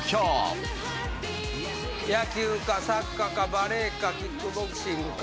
野球かサッカーかバレーかキックボクシングか。